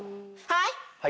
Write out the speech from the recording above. はい。